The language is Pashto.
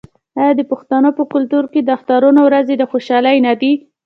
آیا د پښتنو په کلتور کې د اخترونو ورځې د خوشحالۍ نه دي؟